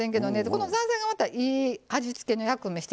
このザーサイがまたいい味付けの役目してくれるんですわ。